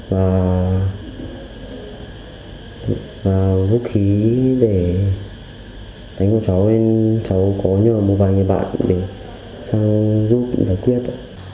và vũ khí để đánh vào cháu nên cháu có nhờ một vài người bạn để giang giúp giải quyết